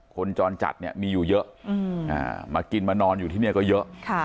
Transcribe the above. คนจรจัดเนี่ยมีอยู่เยอะอืมอ่ามากินมานอนอยู่ที่เนี่ยก็เยอะค่ะ